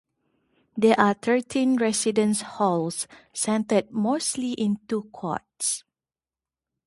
There are thirteen residence halls, centered mostly in two quads.